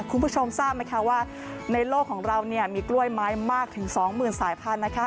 คุณผู้ชมทราบไหมคะว่าในโลกของเรามีกล้วยไม้มากถึง๒๐๐๐สายพันธุนะคะ